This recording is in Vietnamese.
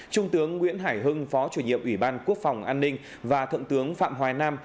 trung tướng nguyễn hải hưng phó chủ nhiệm ủy ban quốc phòng an ninh và thượng tướng phạm hoài nam